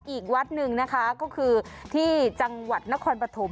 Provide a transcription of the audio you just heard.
อีกวัดหนึ่งนะคะก็คือที่จังหวัดนครปฐม